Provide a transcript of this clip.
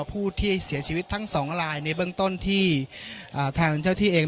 ผู้ที่เสียชีวิตทั้งสองลายในเบื้องต้นที่ทางเจ้าที่เอง